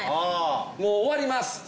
もう終わります！